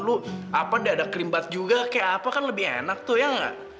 lu apa diadak keribat juga kayak apa kan lebih enak tuh ya gak